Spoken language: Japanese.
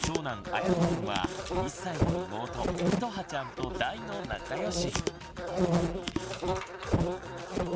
やとくんは１歳の妹いとはちゃんと大の仲良し。